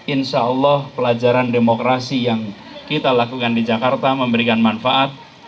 insya allah pelajaran demokrasi yang kita lakukan di jakarta memberikan manfaat